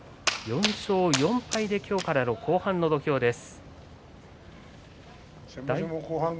４勝４敗で今日から後半の土俵です。